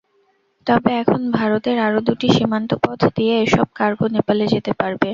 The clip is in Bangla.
তবে এখন ভারতের আরও দুটি সীমান্তপথ দিয়ে এসব কার্গো নেপালে যেতে পারবে।